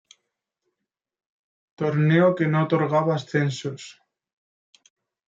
Torneo que no otorgaba ascensos.